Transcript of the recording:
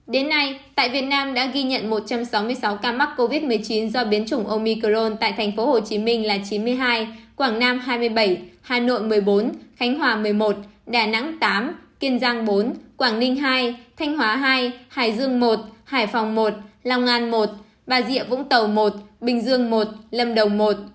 đến nay tại việt nam đã ghi nhận một trăm sáu mươi sáu ca mắc covid một mươi chín do biến chủng omicron tại tp hcm là chín mươi hai quảng nam hai mươi bảy hà nội một mươi bốn khánh hòa một mươi một đà nẵng tám kiên giang bốn quảng ninh hai thanh hóa hai hải dương một hải phòng một lòng an một bà diệu vũng tàu một bình dương một lâm đồng một